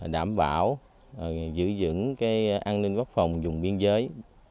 đảm bảo giữ dững an ninh quốc phòng dùng biên giới